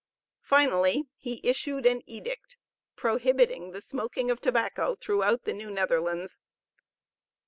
Finally, he issued an edict, prohibiting the smoking of tobacco throughout the New Netherlands.